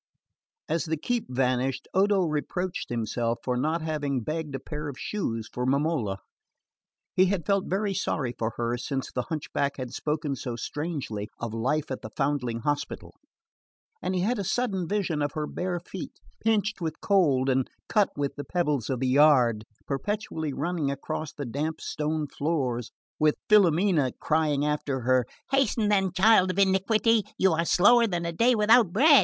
As the keep vanished Odo reproached himself for not having begged a pair of shoes for Momola. He had felt very sorry for her since the hunchback had spoken so strangely of life at the foundling hospital; and he had a sudden vision of her bare feet, pinched with cold and cut with the pebbles of the yard, perpetually running across the damp stone floors, with Filomena crying after her: "Hasten then, child of iniquity! You are slower than a day without bread!"